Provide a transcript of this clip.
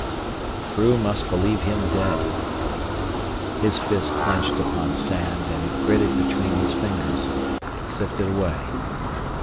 The crew must believe him dead. His fists clenched upon sand, and it gritted between his fingers, sifted away.